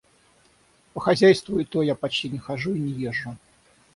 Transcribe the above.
По хозяйству — и то я почти не хожу и не езжу.